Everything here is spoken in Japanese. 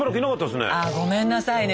ああごめんなさいね。